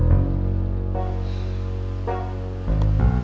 tete aku mau